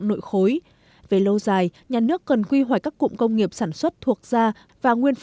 nội khối về lâu dài nhà nước cần quy hoài các cụm công nghiệp sản xuất thuộc gia và nguyên